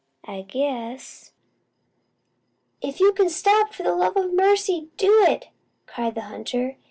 I guess " "If you can stop, for the love of mercy do it!" cried the hunter.